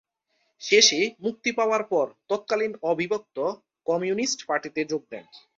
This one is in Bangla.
শেষে মুক্তি পাওয়ার পর তৎকালীন অবিভক্ত কমিউনিস্ট পার্টিতে যোগ দেন।